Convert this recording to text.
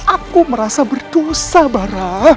aku merasa berdosa barah